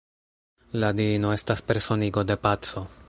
La diino estas personigo de paco.